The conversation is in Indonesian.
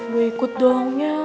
gue ikut dong ya